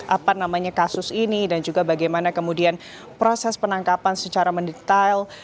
apa namanya kasus ini dan juga bagaimana kemudian proses penangkapan secara mendetail